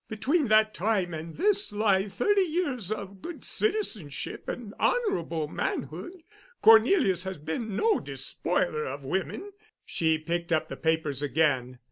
Between that time and this lie thirty years of good citizenship and honorable manhood. Cornelius has been no despoiler of women." She picked up the papers again.